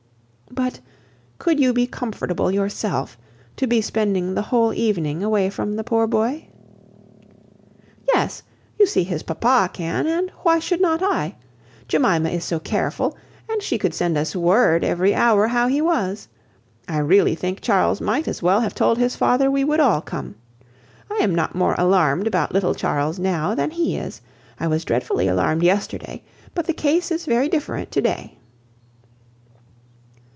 "But, could you be comfortable yourself, to be spending the whole evening away from the poor boy?" "Yes; you see his papa can, and why should not I? Jemima is so careful; and she could send us word every hour how he was. I really think Charles might as well have told his father we would all come. I am not more alarmed about little Charles now than he is. I was dreadfully alarmed yesterday, but the case is very different to day."